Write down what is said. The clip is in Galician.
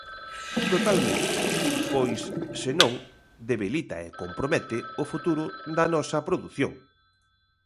Totalmente, pois senón debilita e compromete o futuro da nosa produción.